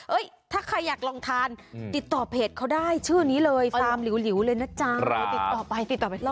เออเนิบ